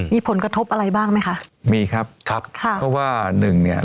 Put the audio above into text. มีผลกระทบอะไรบ้างไหมคะมีครับครับค่ะเพราะว่าหนึ่งเนี่ย